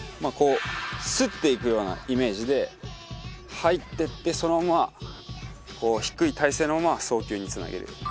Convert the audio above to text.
こう擦っていくようなイメージで入ってってそのまま低い体勢のまま送球につなげる。